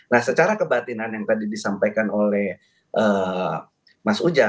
nah secara kebatinan yang tadi disampaikan oleh mas ujang